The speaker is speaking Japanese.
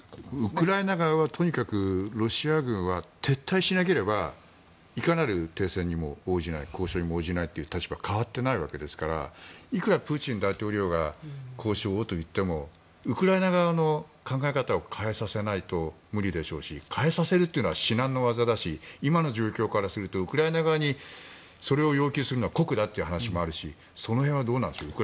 ウクライナ側はとにかくロシア軍は撤退しなければいかなる停戦にも応じない交渉にも応じないという立場から変わってないわけですからいくらプーチン大統領が交渉をと言ってもウクライナ側の考え方を変えさせないと無理でしょうし変えさせるというのは至難の業だし今の状況からするとウクライナ側にそれを要求するのは酷だという話もあるしその辺はどうなんでしょう。